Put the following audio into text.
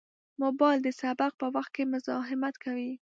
موبایل د سبق په وخت کې مزاحمت کوي.